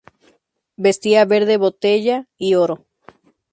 Vestía verde botella y oro.